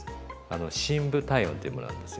あの深部体温っていうものなんですよ。